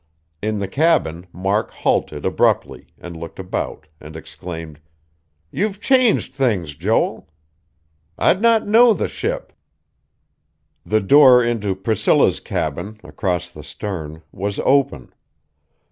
In the cabin, Mark halted abruptly, and looked about, and exclaimed: "You've changed things, Joel. I'd not know the ship." The door into Priscilla's cabin, across the stern, was open.